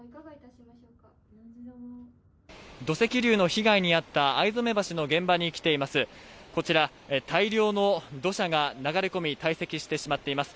土石流の被害に遭った逢初橋の現場に来ています。